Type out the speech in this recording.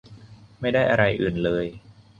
ไม่ได้อะไรอื่นเลย